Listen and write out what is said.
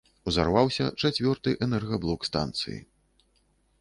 Узарваўся чацвёрты энергаблок станцыі.